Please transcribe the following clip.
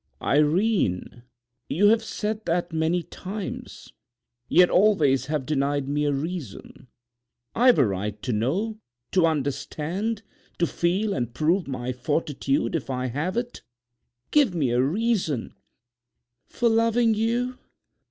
"Irene, you have said that many times, yet always have denied me a reason. I've a right to know, to understand, to feel and prove my fortitude if I have it. Give me a reason." "For loving you?"